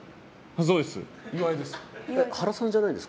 そうです。